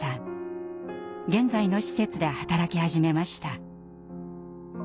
現在の施設で働き始めました。